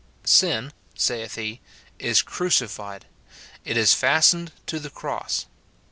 6. "Sin," saith he, "is crucified;" it is fastened to the cross.